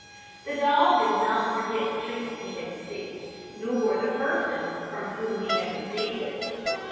The dog did not forget the treatment he had received, nor the person from whom he had received it.